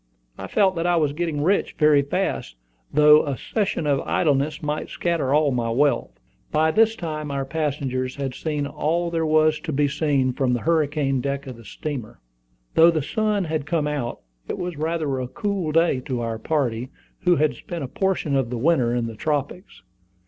I felt that I was getting rich very fast, though a season of idleness might scatter all my wealth. By this time our passengers had seen all there was to be seen from the hurricane deck of the steamer. Though the sun had come out, it was rather a cool day to our party, who had spent a portion of the winter in the tropics.